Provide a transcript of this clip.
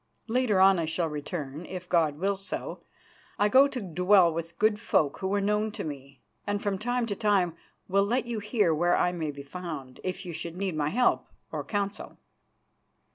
Later on I shall return, if God so wills. I go to dwell with good folk who are known to me, and from time to time will let you hear where I may be found, if you should need my help or counsel."